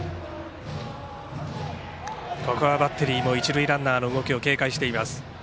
ここはバッテリーも一塁ランナーの動きを警戒しています。